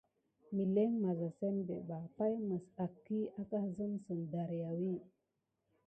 Məlin misza simɓe ɓa pay mis adume aka def nakine si darkiyu.